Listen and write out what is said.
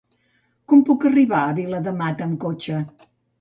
Com puc arribar a Viladamat amb cotxe?